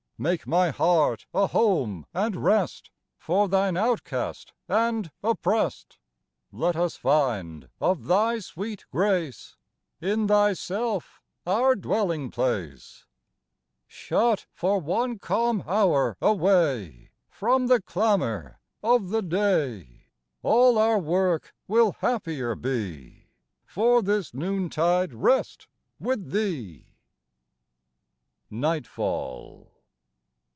Make my heart a home and rest For Thine outcast and oppressed ! Let us find, of Thy sweet grace, In Thyself our dwelling place 1 Shut for one calm hour away From the clamor of the day, All our work will happier be For this noontide rest with Thee ! HYMNS OF A DAY 39 NIGHTFALL.